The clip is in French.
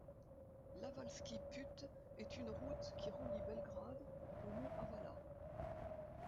L'Avalski put est une route qui relie Belgrade au mont Avala.